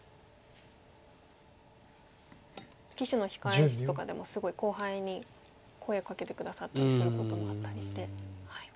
棋士の控え室とかでもすごい後輩に声かけて下さったりすることもあったりして。